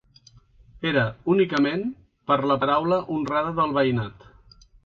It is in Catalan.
Era únicament per la paraula honrada del veïnat.